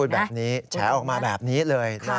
แบบนี้แฉออกมาแบบนี้เลยนะ